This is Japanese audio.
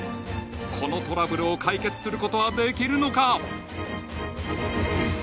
このトラブルを解決することはできるのか？